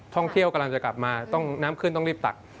ท่องเที่ยวกำลังจะกลับมาต้องน้ำขึ้นต้องรีบตัก